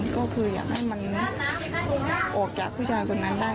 ก็คืออยากให้มันออกจากผู้ชายคนนั้นได้